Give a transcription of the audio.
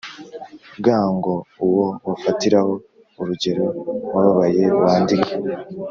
Ga ngo uwo wafatiraho urugero wababaye wandike